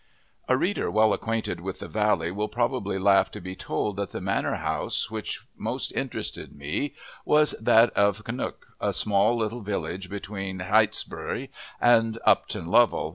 A reader well acquainted with the valley will probably laugh to be told that the manor house which most interested me was that of Knook, a poor little village between Heytesbury and Upton Lovell.